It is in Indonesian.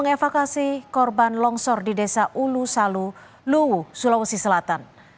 mengevakuasi korban longsor di desa ulu salu luwu sulawesi selatan